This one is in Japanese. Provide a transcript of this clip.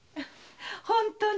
本当に。